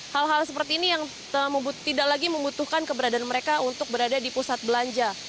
hal hal seperti ini yang tidak lagi membutuhkan keberadaan mereka untuk berada di pusat belanja